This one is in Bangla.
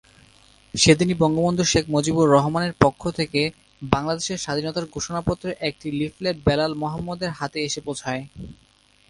সেদিনই বঙ্গবন্ধু শেখ মুজিবুর রহমানের পক্ষ থেকে বাংলাদেশের স্বাধীনতার ঘোষণাপত্রের একটি লিফলেট বেলাল মোহাম্মদের হাতে এসে পৌছায়।